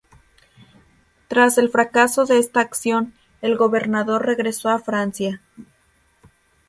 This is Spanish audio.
Tras el fracaso de esta acción, el gobernador regresó a Francia.